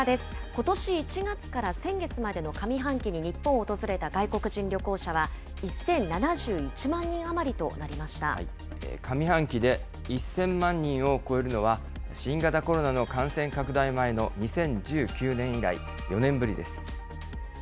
ことし１月から先月までの上半期に日本を訪れた外国人旅行者は、上半期で１０００万人を超えるのは、新型コロナの感染拡大前の２０１９年以来、４年ぶりです。